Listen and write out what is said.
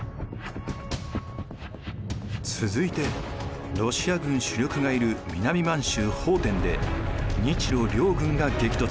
続いてロシア軍主力がいる南満州奉天で日露両軍が激突。